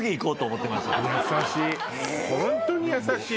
優しい。